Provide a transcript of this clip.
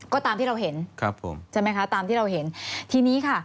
ก็ตามที่เราเห็นครับผมใช่ไหมคะตามที่เราเห็นทีนี้ค่ะ